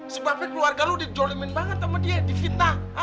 sebabnya keluarga lu dijolemin banget sama dia divinta